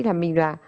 là mình là